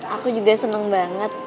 aku juga seneng banget